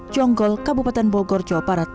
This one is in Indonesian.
jonggol kabupaten bogor jawa barat